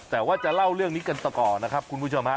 แต่ว่าจะเล่าเรื่องนี้กันต่อนะครับคุณผู้ชมฮะ